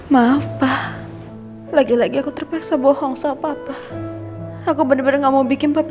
maaf pak lagi lagi aku terpaksa bohong soal apa apa aku bener bener nggak mau bikin papa